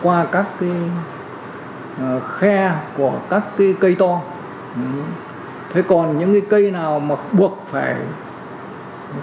bộ tàu nàymeg thủy của hành quân đã tập đường làm căn bộ cũng như trước để kiểm tra cây xẫy dạt bên sâu